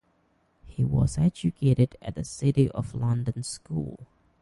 He was educated at the City of London School.